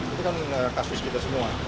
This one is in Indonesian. itu kan kasus kita semua